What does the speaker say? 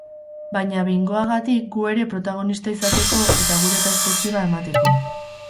Baina behingoagatik gu ere protagonista izateko, eta gure perspektiba emateko.